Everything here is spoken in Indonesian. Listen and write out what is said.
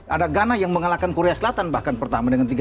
ada ghana yang mengalahkan korea selatan bahkan pertama dengan tiga